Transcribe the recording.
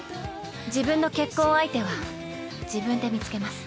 自分の結婚相手は自分で見つけます。